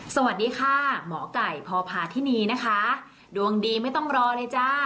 สวัสดีค่ะหมอไก่พพาธินีนะคะดวงดีไม่ต้องรอเลยจ้า